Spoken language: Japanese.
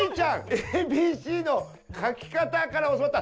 ＡＢＣの書き方から教わった。